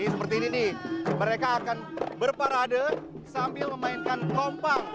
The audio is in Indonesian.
seperti ini nih mereka akan berparade sambil memainkan tompang